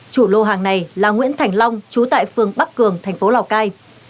chủ lô hàng này là nguyễn thành long trú tại phương bắc cường thành phố lào cai